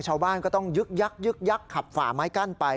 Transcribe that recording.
ชาวบ้านก็ต้องยึกขับฝ่าไม้กั้นไป